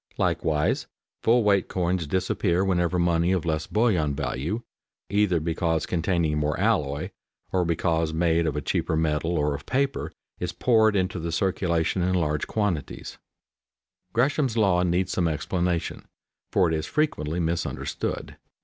Likewise full weight coins disappear whenever money of less bullion value (either because containing more alloy, or because made of a cheaper metal or of paper) is poured into the circulation in large quantities. [Sidenote: Proper interpretation of Gresham's law] Gresham's law needs some explanation, for it is frequently misunderstood.